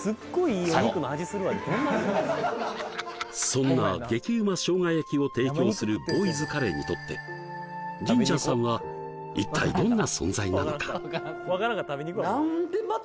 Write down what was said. そんな激うましょうが焼きを提供するボーイズカレーにとってジンジャーさんは一体どんな存在なのか？